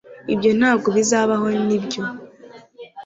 Ibyo ntabwo bizabaho nibyo